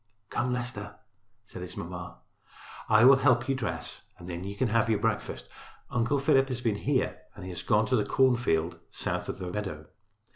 "Come, Leicester," said his mamma, "I will help you dress and then you can have your breakfast. Uncle Philip has been here and he has gone to the cornfield south of the meadow.